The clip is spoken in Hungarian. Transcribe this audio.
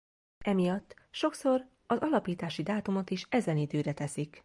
Emiatt sokszor a alapítási dátumot is ezen időre teszik.